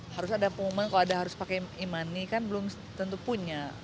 harus ada pengumuman kalau ada harus pakai e money kan belum tentu punya